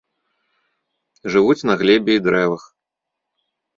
Жывуць на глебе і дрэвах.